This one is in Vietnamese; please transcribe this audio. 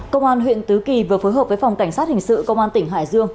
công an huyện tứ kỳ vừa phối hợp với phòng cảnh sát hình sự công an tỉnh hải dương